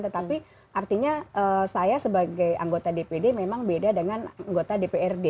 tetapi artinya saya sebagai anggota dpd memang beda dengan anggota dprd